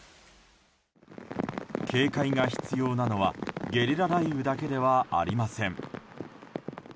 警戒が必要なのはゲリラ雷雨だけではありません。